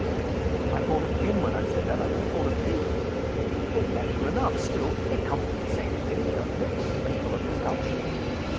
"I thought of him when I said that. I never thought of you." "Natural enough. Still, it comes to the same thing (doesn't it?) with the people of this house."